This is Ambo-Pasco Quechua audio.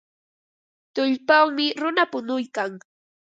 Tullpawmi runa punuykan.